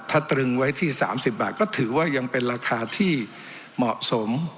ถ้าตรึงไว้ที่๓๐บาทก็ถือว่ายังเป็นราคาที่เหมาะสม